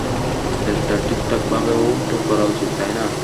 চেষ্টা ঠিকঠাকভাবেও তো করা উচিত, তাই না!